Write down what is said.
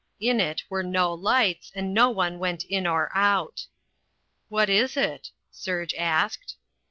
In it were no lights, and no one went in or out. "What is it?" Serge asked.